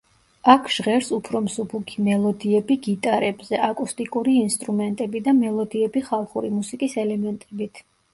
აქ ჟღერს უფრო მსუბუქი მელოდიები გიტარებზე, აკუსტიკური ინსტრუმენტები და მელოდიები ხალხური მუსიკის ელემენტებით.